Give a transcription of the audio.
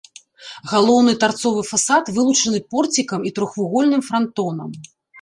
Галоўны тарцовы фасад вылучаны порцікам і трохвугольным франтонам.